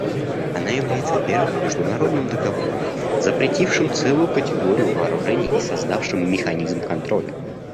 Она является первым международным договором, запретившим целую категорию вооружений и создавшим механизм контроля.